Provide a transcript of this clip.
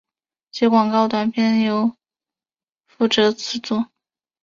其广告短片由负责制作。